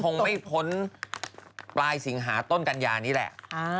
คงไม่พ้นปลายสิงหาต้นกัญญานี้แหละ